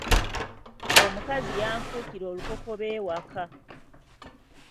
Omukazi yanfuukira olukokobe ewaka.